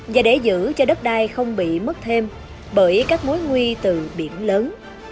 và để giữ cho đất đai không bị mất thêm bởi các mối nguy từ biển lớn